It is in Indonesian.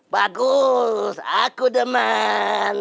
bagus aku deman